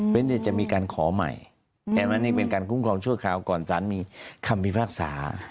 เป็นที่จะมีการขอใหม่แต่อันนี้เป็นการคุ้มครองชั่วคราวก่อนศาลมีคำพิภาษา